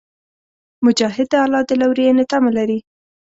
مجاهد د الله د لورینې تمه لري.